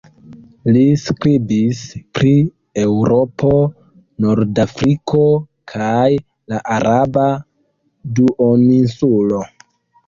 Li skribis pri Eŭropo, Nordafriko kaj la araba duoninsulo.